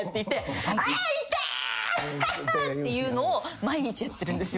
ハハハっていうのを毎日やってるんですよ。